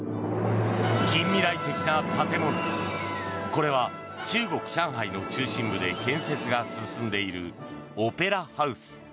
これは、中国・上海の中心部で建設が進んでいるオペラハウス。